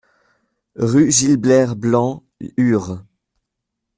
Rue Gilbert Blanc, Ur